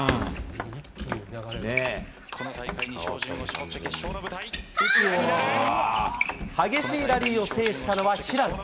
この大会に照準を絞った、激しいラリーを制したのは平野。